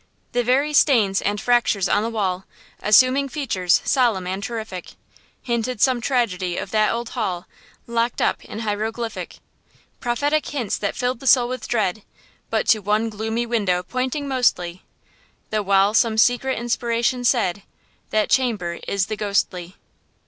The very stains and fractures on the wall Assuming features solemn and terrific, Hinted some tragedy of that old hall Locked up in hieroglyphic! Prophetic hints that filled the soul with dread; But to one gloomy window pointing mostly, The while some secret inspiration said, That chamber is the ghostly!